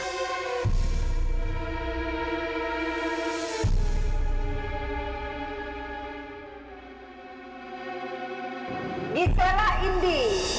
di selak indi